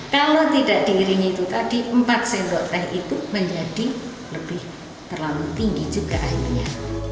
kalau tidak diiringi itu tadi empat sendok teh itu menjadi lebih terlalu tinggi juga airnya